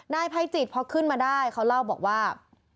นายภัยจิตพอขึ้นมาได้เขาเล่าบอกว่า